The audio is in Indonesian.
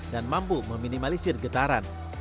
dan mampu meminimalisir getaran